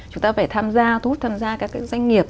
chúng ta phải tham gia thu hút tham gia các doanh nghiệp